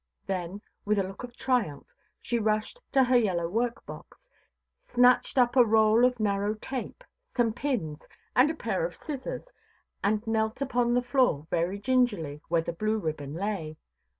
Then, with a look of triumph, she rushed to her yellow workbox, snatched up a roll of narrow tape, some pins, and a pair of scissors, and knelt upon the floor very gingerly, where the blue ribbon lay.